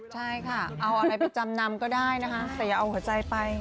ใช่ค่ะเอาอะไรไปจำนำก็ได้นะคะแต่อย่าเอาหัวใจไป